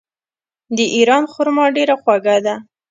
د ایران خرما ډیره خوږه ده.